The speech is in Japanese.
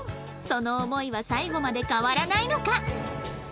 その思いは最後まで変わらないのか？